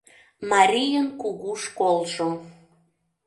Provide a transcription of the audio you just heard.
МАРИЙЫН КУГУ ШКОЛЖО